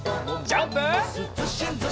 ジャンプ！